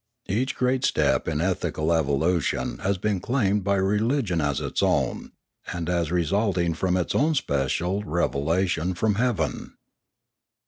Each great step in ethical evolution has been claimed by religion as its own, and as resulting from its own special revelation from heaven.